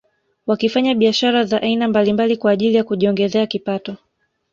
Wakifanya biashara za aina mbalimbali kwa ajili ya kujiongezea kipato